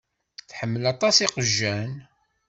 Tḥemmel aṭas iqjan.